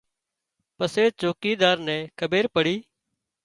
پسي چوڪيڌار نين کٻير پڙي